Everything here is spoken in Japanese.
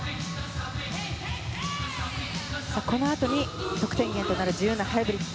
このあとに得点源となる自由なハイブリッド。